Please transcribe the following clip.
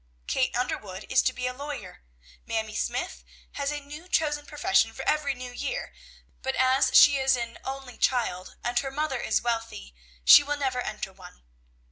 "Kate Underwood is to be a lawyer. Mamie Smythe has a new chosen profession for every new year, but as she is an only child, and her mother is wealthy, she will never enter one.